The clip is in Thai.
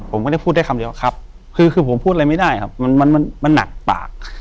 ผมก็ได้พูดได้คำเดียวก็ครับคือผมพูดอะไรไม่ได้มันหนักปาก